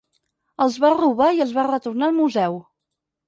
Els va robar i els va retornar al museu.